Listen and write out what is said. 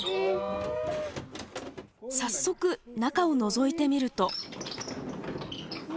早速中をのぞいてみると。